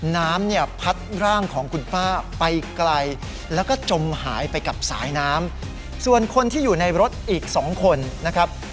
น้ำเนี่ยพัดร่างของคุณป้าไปไกลแล้วก็จมหายไปกับสายน้ำส่วนคนที่อยู่ในรถอีกสองคนนะครับ